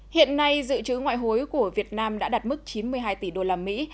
hiện nay dự trữ ngoại hối của việt nam đã đạt mức chín mươi hai tỷ đô la mỹ